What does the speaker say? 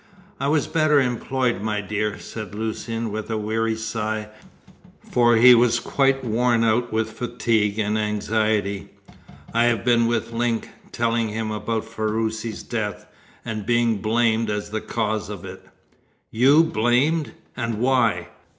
"I was better employed, my dear," said Lucian, with a weary sigh, for he was quite worn out with fatigue and anxiety. "I have been with Link, telling him about Ferruci's death, and being blamed as the cause of it." "You blamed! And why?"